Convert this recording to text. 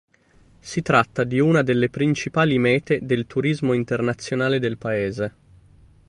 Si tratta di una delle principali mete del turismo internazionale del Paese.